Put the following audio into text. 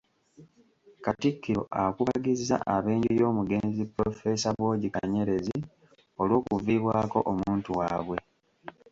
Katikkiro akubagizza ab'enju y'omugenzi Pulofeesa Bwogi Kanyerezi olw'okuviibwako omuntu waabwe.